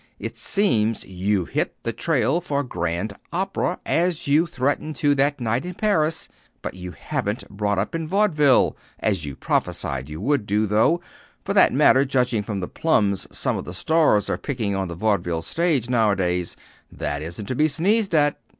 It seems you've hit the trail for Grand Opera, as you threatened to that night in Paris; but you haven't brought up in vaudeville, as you prophesied you would do though, for that matter, judging from the plums some of the stars are picking on the vaudeville stage, nowadays, that isn't to be sneezed at.